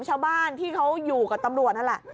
ชาวบ้านที่เขาอยู่กับตำรวจนั่นแหละ